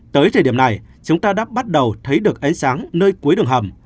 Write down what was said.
tới thời điểm này chúng ta đã bắt đầu thấy được ánh sáng nơi cuối đường hầm